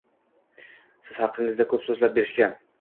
Siz haqingizda ko'p so'zlab berishgan.